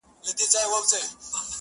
معلوميږي چي موسم رانه خفه دی,